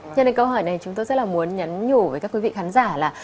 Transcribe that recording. nhân thành câu hỏi này chúng tôi rất là muốn nhắn nhủ với các quý vị khán giả